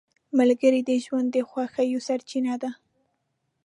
ملګری د ژوند د خوښیو سرچینه ده